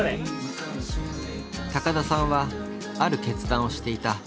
高田さんはある決断をしていた。